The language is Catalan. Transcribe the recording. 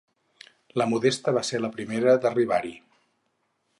La Modesta va ser la primera d'arribar-hi.